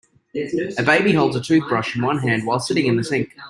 A baby holds a toothbrush in one hand while sitting in the sink.